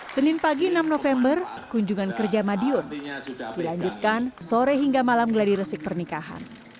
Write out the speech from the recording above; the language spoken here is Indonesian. senin pagi enam november kunjungan kerja madiun dilanjutkan sore hingga malam gladiresik pernikahan